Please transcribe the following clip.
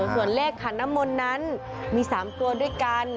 ส่วนเลขขันน้ำมนต์นั้นมี๓ตัวด้วยกัน